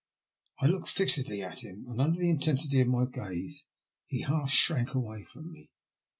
I looked fixedly at him, and under the intensity of my gaze he half shrunk away from me.